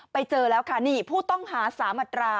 ไปเจอแล้วค่ะนี่ผู้ต้องหา๓อัตรา